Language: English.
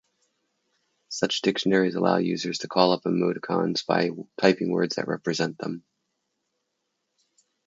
Such dictionaries allow users to call up emoticons by typing words that represent them.